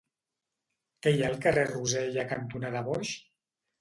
Què hi ha al carrer Rosella cantonada Boix?